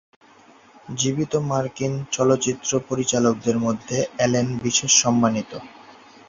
জীবিত মার্কিন চলচ্চিত্র পরিচালকদের মধ্যে অ্যালেন বিশেষ সম্মানিত।